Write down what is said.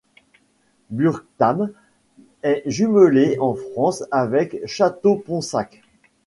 Burgthann est jumelée en France avec Châteauponsac.